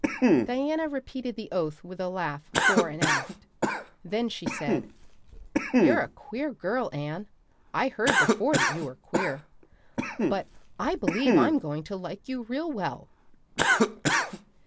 Diana repeated the "oath" with a laugh fore and aft. Then she said: "You're a queer girl, Anne. I heard before that you were queer. But I believe I'm going to like you real well."